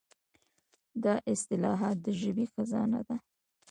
دا اصطلاحات د ژبې خزانه ده.